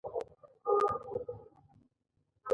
احمد نن علي د ظالمانو له لاس څخه خلاص کړ.